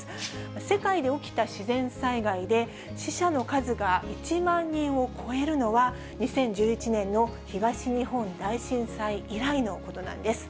世界で起きた自然災害で、死者の数が１万人を超えるのは、２０１１年の東日本大震災以来のことなんです。